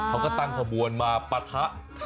เขาก็ตั้งขบวนมาปะทะ